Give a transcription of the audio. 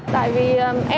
tại vì em